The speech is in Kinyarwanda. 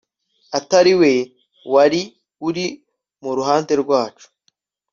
atari we wari uri mu ruhande rwacu